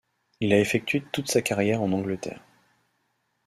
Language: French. Il a effectué toute sa carrière en Angleterre.